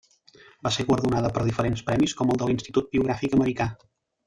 Va ser guardonada per diferents premis com el de l'Institut Biogràfic Americà.